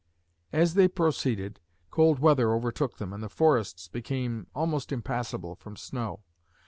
As they proceeded, cold weather overtook them and the forests became almost impassable from snow.